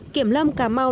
kiểm lâm cà mau